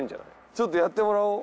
ちょっとやってもらおう。